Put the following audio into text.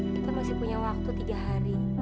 kita masih punya waktu tiga hari